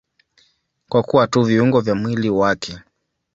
Kwa kuwa tu viungo vya mwili wake.